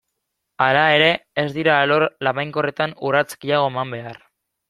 Hala ere, ez dira alor labainkorretan urrats gehiago eman behar.